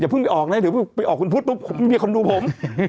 อย่าเพิ่งไปออกนะถือว่าไปออกคุณพุทธไม่มีคนดูผม